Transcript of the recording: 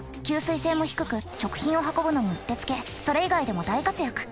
吸水性も低く食品を運ぶのにうってつけそれ以外でも大活躍。